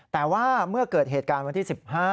แต่ว่าเมื่อเกิดเหตุการณ์วันที่๑๕